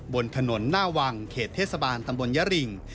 บนถนนหน้าวังเขตเทศบาลตำบลยริง